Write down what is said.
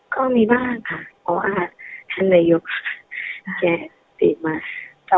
ก็มีบ้างค่ะเพราะว่าอาหารในยุคแกะติดมา